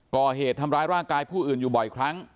ก่อเหตุทำร้ายร่างกายผู้อื่นอยู่บ่อยครั้ง